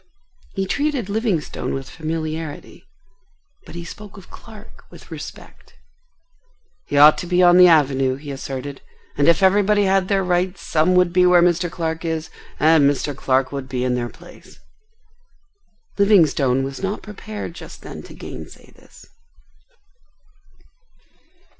He treated Livingstone with familiarity, but he spoke of Clark with respect. "He ought to be on the Avenue," he asserted; "and if everybody had their rights some would be where Mr. Clark is and Mr. Clark would be in their place." Livingstone was not prepared just then to gainsay this.